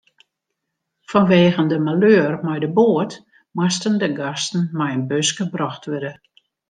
Fanwegen de maleur mei de boat moasten de gasten mei in buske brocht wurde.